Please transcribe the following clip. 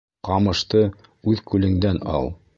Ҡамышты үҙ күлеңдән ал.